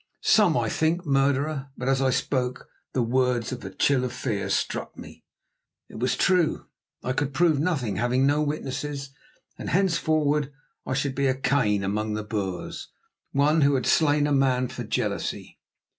"Some, I think, murderer," but as I spoke the words a chill of fear struck me. It was true, I could prove nothing, having no witnesses, and henceforward I should be a Cain among the Boers, one who had slain a man for jealousy.